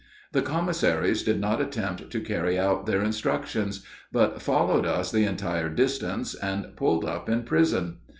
The commissaries did not attempt to carry out their instructions, but followed us the entire distance and pulled up in prison.